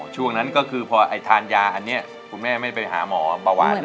ช่วงนั้นก็คือพอทานยาอันนี้คุณแม่ไม่ไปหาหมอเบาหวานเลย